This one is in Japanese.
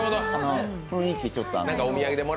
雰囲気、ちょっと。